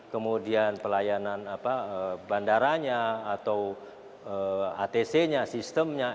kemudian pelayanan bandaranya atau atc nya sistemnya